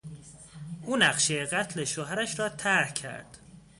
او نقشهی قتل شوهرش را طرح کرد.